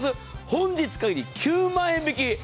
本日限り９万円引き。